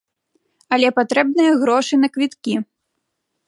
Але патрэбныя грошы на квіткі.